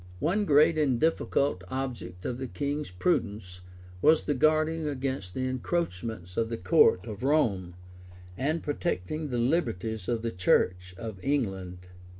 ] One great and difficult object of the king's prudence was the guarding against the encroachments of the court of Rome, and protecting the liberties of the church of England.